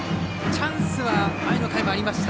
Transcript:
チャンスは前の回もありました。